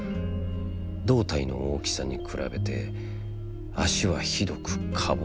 胴体の大きさに比べて、足はひどくか細かった。